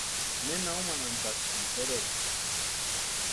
¿Nena umanhantasïni terekwa?